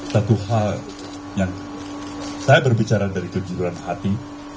satu hal yang saya berbicara dari kejujuran hati